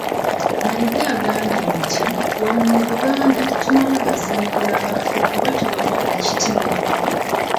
Mayiga agambye nti; wano mu Buganda tetumala gaziikula bafu kuba tubawa ekitiibwa.